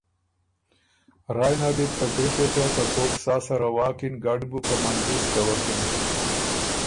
رایٛ نر دی بو ته ګری پېڅه که کوک سا سره واکِن ګډ بُو په مندلِس څوکِن۔